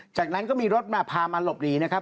จากนั้นก็มีรถมาพามาหลบหนีนะครับ